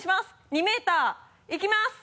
２ｍいきます！